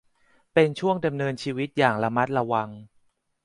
เป็นช่วงดำเนินชีวิตอย่างระมัดระวัง